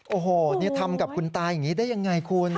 โอ้โหนี่ทำกับคุณตาอย่างนี้ได้ยังไงคุณ